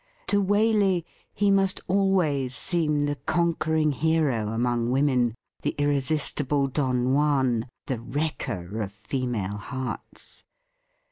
To Waley he must always seem the conquering hero among women — the irresistible Don Juan — ^the wrecker of female hearts.